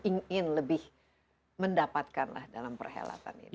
ingin lebih mendapatkan dalam perhelatan ini